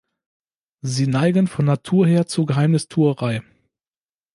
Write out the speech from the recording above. Sie neigen von Natur her zur Geheimnistuerei.